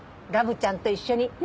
ラブちゃんと一緒に。